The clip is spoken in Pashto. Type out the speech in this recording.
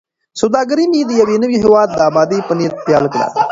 سوداګري مې د یوه نوي هیواد د ابادۍ په نیت پیل کړه.